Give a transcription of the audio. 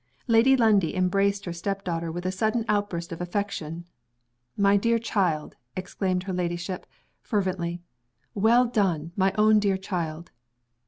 Lady Lundie embraced her step daughter with a sudden outburst of affection. "My dear child!" exclaimed her ladyship, fervently. "Well done, my own dear child!"